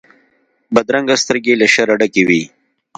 بدرنګه سترګې له شره ډکې وي